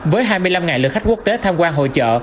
với hai mươi năm lượt khách quốc tế tham quan hội trợ